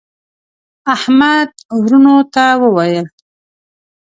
احمد وروڼو ته وویل: